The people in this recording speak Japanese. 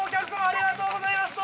ありがとうございます！